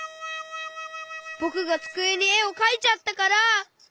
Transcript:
ぼくがつくえにえをかいちゃったから。